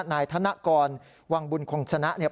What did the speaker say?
นายธนกรวังบุญคงชนะเนี่ย